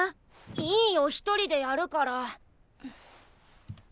いいよ一人でやるから。